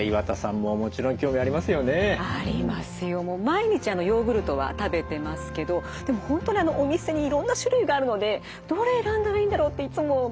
もう毎日ヨーグルトは食べてますけどでも本当にお店にいろんな種類があるのでどれ選んだらいいんだろうっていつも迷っちゃいますね。